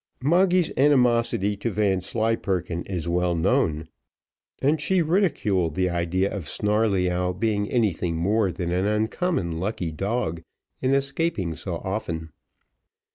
Moggy's animosity to Vanslyperken is well known, and she ridiculed the idea of Snarleyyow being anything more than an uncommon lucky dog in escaping so often.